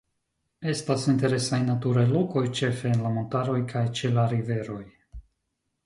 Estas interesaj naturaj lokoj ĉefe en la montaroj kaj ĉe la riveroj.